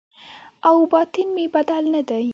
او باطن مې بدل نه دی